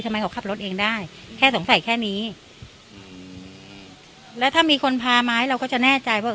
ทำไมเขาขับรถเองได้แค่สงสัยแค่นี้แล้วถ้ามีคนพาไม้เราก็จะแน่ใจว่า